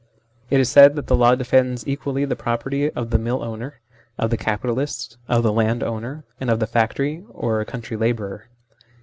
It is said that the law defends equally the property of the millowner, of the capitalist, of the landowner, and of the factory or country labourer.